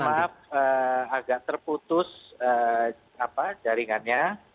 ya mohon maaf agak terputus jaringannya